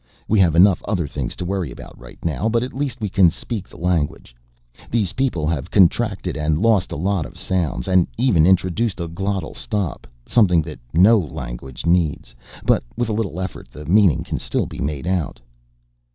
We have enough other things to worry about right now, but at least we can speak the language. These people have contracted and lost a lot of sounds and even introduced a glottal stop, something that no language needs, but with a little effort the meaning can still be made out."